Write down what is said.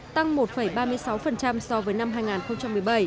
tăng một ba mươi sáu so với năm hai nghìn một mươi bảy